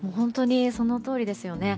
そのとおりですよね。